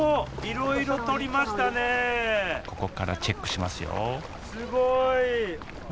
ここからチェックしますよすごい。